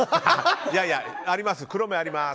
いやいや黒目あります。